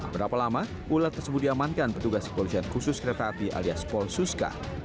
berapa lama ular tersebut diamankan petugas kepolisian khusus kereta api alias polsuska